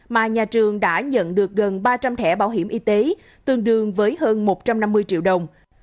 mà nhà trường đã nhận được gần ba trăm linh thẻ bảo hiểm y tế tương đương với hơn một trăm năm mươi triệu đồng